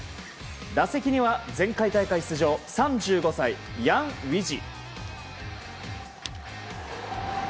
打席には前回大会出場３５歳、ヤン・ウィジ。